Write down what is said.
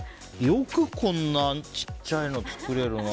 よくこんなちっちゃいの作れるな。